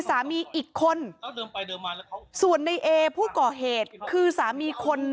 สามีอีกคนเดินไปเดินมาส่วนในผู้ก่อเหตุคือสามีคน